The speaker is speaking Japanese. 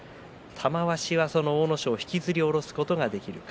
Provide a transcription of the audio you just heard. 玉鷲は引きずり下ろすことができるか。